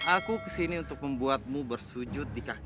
aku kesini untuk membuatmu bersujud di kaki